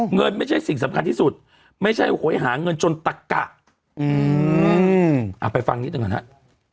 เงินไม่ใช่สิ่งสำคัญที่สุดไม่ใช่โหยหาเงินจนตะกะไปฟังนิดหนึ่งก่อนครับ